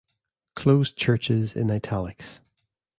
Closed churches in "italics"